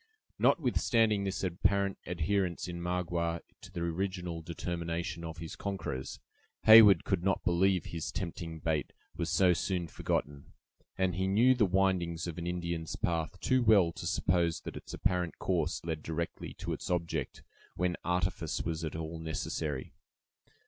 Notwithstanding this apparent adherence in Magua to the original determination of his conquerors, Heyward could not believe his tempting bait was so soon forgotten; and he knew the windings of an Indian's path too well to suppose that its apparent course led directly to its object, when artifice was at all necessary.